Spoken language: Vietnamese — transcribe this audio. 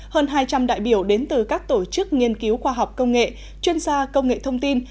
hơn hai trăm linh đại biểu đến từ các tổ chức nghiên cứu khoa học công nghệ chuyên gia công nghệ thông tin